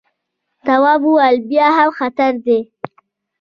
تواب وويل: بیا هم خطر دی.